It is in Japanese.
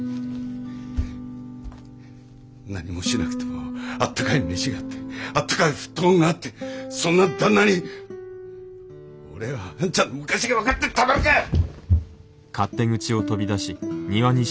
何もしなくてもあったかい飯があってあったかい布団があってそんな旦那に俺や半ちゃんの昔が分かってたまるかい！